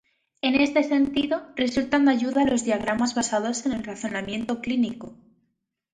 En este sentido, resultan de ayuda los diagramas basados en el razonamiento clínico.